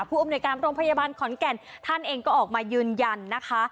ผู้อำนวยการโรงพยาบาลขอนแก่นท่านเองก็ออกมายืนยันนะคะ